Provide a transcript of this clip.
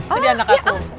itu dia anak aku